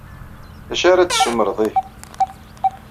D acu ara d-tessumred, ihi?